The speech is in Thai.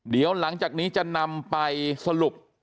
เดี๋ยวหลังจากนี้จะนำไปสรุป